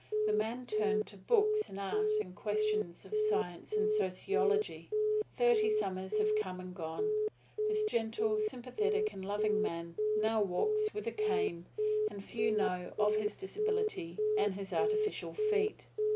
The man turned to books and art and questions of science and sociology. Thirty summers have come and gone. This gentle, sympathetic and loving man now walks with a cane, and few know of his disability and of his artificial feet.